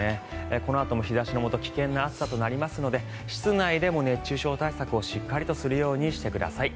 このあとも日差しのもと危険な暑さとなりますので室内でも熱中症対策をしっかりとするようにしてください。